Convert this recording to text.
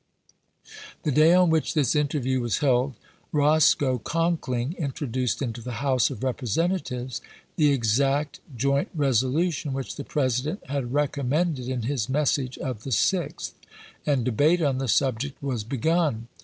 The day on which this interview was held, Ros coe Conkling introduced into the House of Repre sentatives the exact joint resolution which the President had recommended in his message of the 6th, and debate on the subject was begun.